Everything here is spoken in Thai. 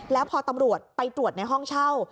แล้วพอตำรวจไปตรวจในห้องเช่า